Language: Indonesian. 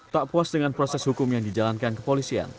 tak puas dengan proses hukum yang dijalankan kepolisian